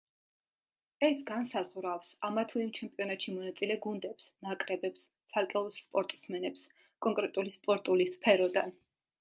ეს განსაზღვრავს ამა თუ იმ ჩემპიონატში მონაწილე გუნდებს, ნაკრებებს, ცალკეულ სპორტსმენებს კონკრეტული სპორტული სფეროდან.